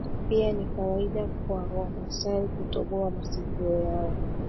Pia ni kawaida kwa wamasai kutoboa masikio yao